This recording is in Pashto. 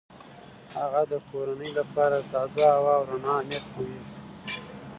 هغه د کورنۍ لپاره د تازه هوا او رڼا اهمیت پوهیږي.